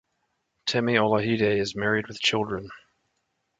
Temi Olajide is married with children.